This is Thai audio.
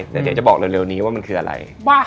เดี๋ยวจะบอกเร็วนี้ว่ามันคืออะไร